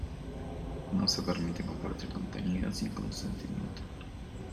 no se permite compartir contenido sin consentimiento